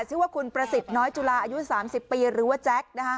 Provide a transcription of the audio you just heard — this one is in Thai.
ชื่อว่าคุณประสิทธิ์น้อยจุลาอายุ๓๐ปีหรือว่าแจ๊ค